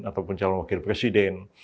ataupun calon wakil presiden